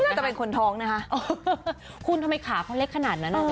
จะเป็นคนท้องนะคะคุณทำไมขาเขาเล็กขนาดนั้นอ่ะ